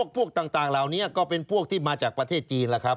พวกต่างเหล่านี้ก็เป็นพวกที่มาจากประเทศจีนแล้วครับ